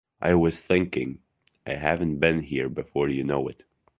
I was thinking, I haven't been here before you know it.